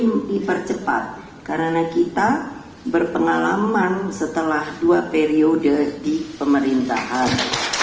ini dipercepat karena kita berpengalaman setelah dua periode di pemerintahan